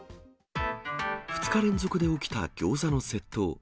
２日連続で起きたギョーザの窃盗。